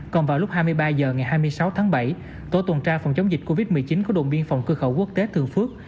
còn vào lúc hai mươi ba h ngày hai mươi sáu tháng bảy tổ tuần tra phòng chống dịch covid một mươi chín của đồn biên phòng cơ khẩu quốc tế thường phước